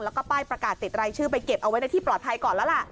แล้วก็ป้ายประกาศติดรายชื่อไปเก็บเอาไว้ในที่ปลอดภัยก่อนแล้วล่ะ